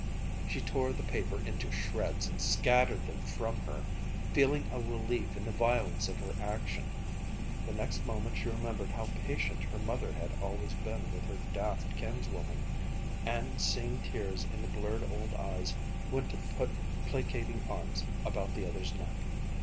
She tore the paper into shreds and scattered them from her, feeling a relief in the violence of her action. The next moment she remembered how patient her mother had always been with her daft kinswoman and seeing tears in the blurred old eyes, went to put placating arms about the other's neck.